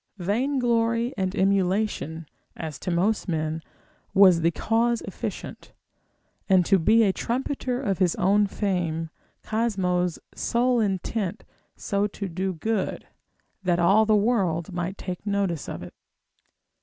Vainglory and emulation (as to most men) was the cause efficient, and to be a trumpeter of his own fame, Cosmo's sole intent so to do good, that all the world might take notice of it.